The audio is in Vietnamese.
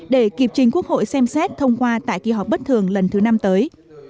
để kịp trình quốc hội xem xét thông qua tại kỳ họp bất thường lần thứ năm tới